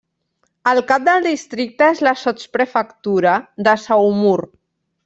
El cap del districte és la sotsprefectura de Saumur.